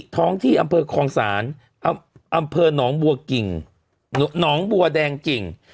ท้องที่อำเภอคลองศาลอำเภอหนองบัวกิ่งหนองบัวแดงกิ่ง